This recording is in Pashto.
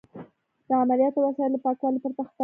د عملیاتو وسایل له پاکوالي پرته خطرناک دي.